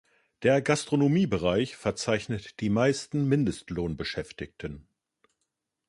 Der Gastronomiebereich verzeichnet die meisten Mindestlohn-Beschäftigten.